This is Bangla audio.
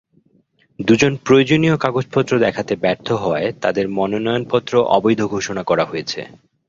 দুজন প্রয়োজনীয় কাগজপত্র দেখাতে ব্যর্থ হওয়ায় তাঁদের মনোনয়নপত্র অবৈধ ঘোষণা করা হয়েছে।